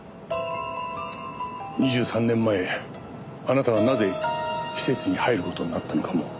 ２３年前あなたがなぜ施設に入る事になったのかもお聞きしました。